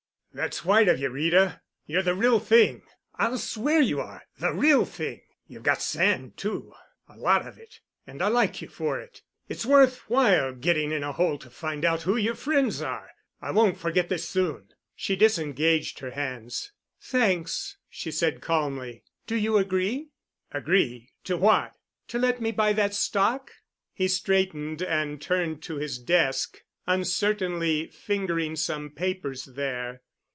"That's white of you, Rita. You're the real thing. I'll swear you are—the Real Thing—you've got sand, too, a lot of it, and I like you for it. It's worth while getting in a hole to find out who your friends are. I won't forget this soon." She disengaged her hands. "Thanks," she said calmly. "Do you agree?" "Agree? To what?" "To let me buy that stock?" He straightened and turned to his desk, uncertainly fingering some papers there.